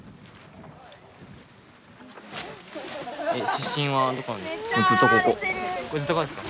出身はどこなんですか？